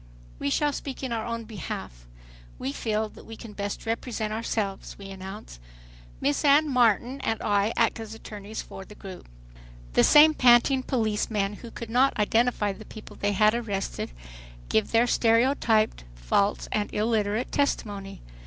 "We shall speak in our own behalf. We feel that we can best represent ourselves," we announce. Miss Anne Martin and I act as attorneys for the group. The same panting policemen who could not identify the people they had arrested give their stereotyped, false and illiterate testimony.